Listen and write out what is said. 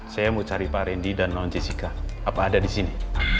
saya mau cari pak randy dan non jc apa ada disini